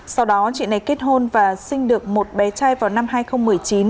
sau đó chị này kết hôn và sinh được một bé trai vào năm hai nghìn một mươi chín